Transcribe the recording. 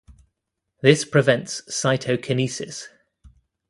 This prevents cytokinesis.